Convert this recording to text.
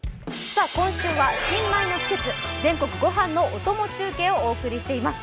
今週は新米の季節、全国ごはんのおとも中継をお届けしています。